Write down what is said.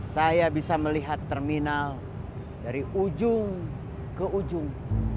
saya bisa melihat terminal dari ujung ke ujung